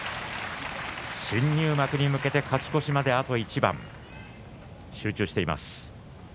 新入幕に向けて勝ち越しまであと一番、集中しています。